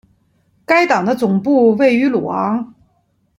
该党的总部位于鲁昂。